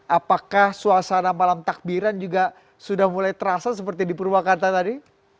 apakah suasana malam takbiran juga sudah mulai terasa seperti di purwakarta tadi